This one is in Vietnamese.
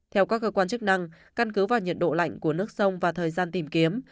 theo các cơ quan chức năng căn cứ vào nhiệt độ lạnh của nước sông và thời gian tìm kiếm